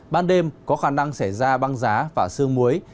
ban đêm có khả năng xảy ra băng giá và sương muối